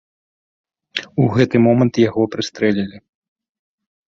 У гэты момант яго прыстрэлілі.